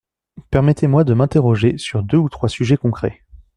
Permettez-moi de m’interroger sur deux ou trois sujets concrets.